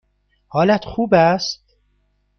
حالت خوب است؟